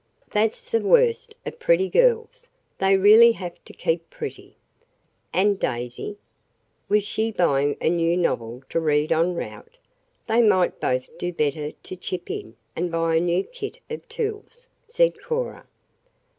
That's the worst of pretty girls. They really have to keep pretty." "And Daisy? Was she buying a new novel to read en route? They might both do better to 'chip in' and buy a new kit of tools," said Cora.